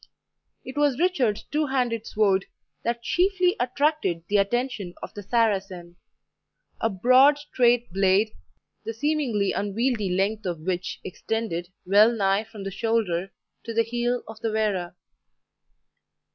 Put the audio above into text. It was Richard's two handed sword that chiefly attracted the attention of the Saracen a broad straight blade, the seemingly unwieldy length of which extended wellnigh from the shoulder to the heel of the wearer.